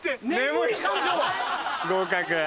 合格。